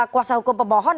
kuasa hukum pebohon